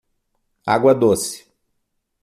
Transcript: Água doce